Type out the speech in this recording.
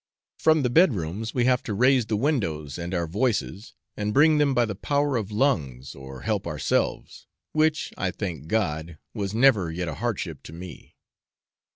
From the bed rooms we have to raise the windows and our voices, and bring them by power of lungs, or help ourselves which, I thank God, was never yet a hardship to me.